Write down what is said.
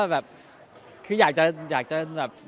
แบบคืออยากจะอยากจะแบบ